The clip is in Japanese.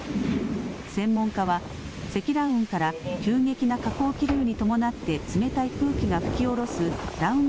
専門家は積乱雲から急激な下降気流に伴って冷たい空気が吹き降ろすダウン